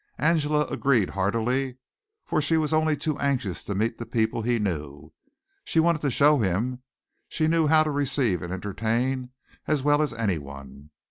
Angela agreed heartily for she was only too anxious to meet the people he knew. She wanted to show him she knew how to receive and entertain as well as anyone.